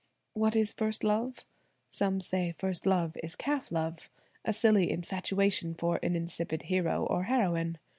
What is first love? Some say first love is "calf love," a silly infatuation for an insipid hero or heroine.